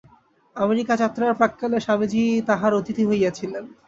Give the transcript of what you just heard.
America যাত্রার প্রাক্কালে স্বামীজী তাঁহার অতিথি হইয়াছিলেন।